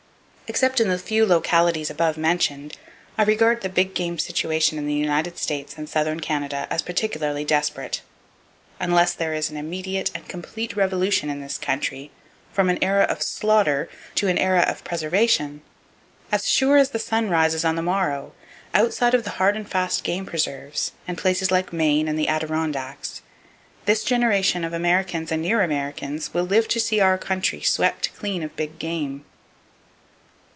Except in the few localities above mentioned, I regard the big game situation in the United States and southern Canada as particularly desperate. Unless there is an immediate and complete revolution in this country from an era of slaughter to an era of preservation, as sure as the sun rises on the morrow, outside of the hard and fast game preserves, and places like Maine and the Adirondacks, this generation of Americans and near Americans will live to see our country swept clean of big game!